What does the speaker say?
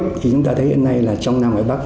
thì chúng ta thấy hiện nay là trong nam ngoại bắc